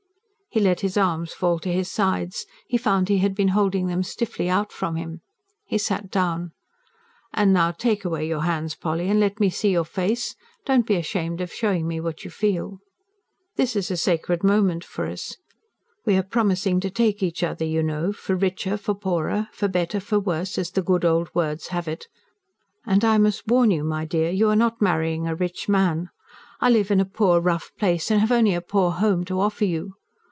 He let his arms fall to his sides; he found he had been holding them stiffly out from him. He sat down. "And now take away your hands, Polly, and let me see your face. Don't be ashamed of showing me what you feel. This is a sacred moment for us. We are promising to take each other, you know, for richer for poorer, for better for worse as the good old words have it. And I must warn you, my dear, you are not marrying a rich man. I live in a poor, rough place, and have only a poor home to offer you.